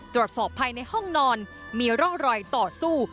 ตรวจสอบภายในห้องนอนมีร่องรอยต่อสู้